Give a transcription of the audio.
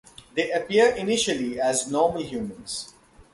They appear initially as normal humans.